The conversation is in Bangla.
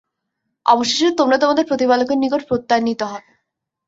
অবশেষে তোমরা তোমাদের প্রতিপালকের নিকট প্রত্যানীত হবে।